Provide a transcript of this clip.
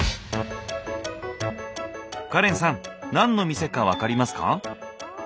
カレンさん何の店か分かりますか？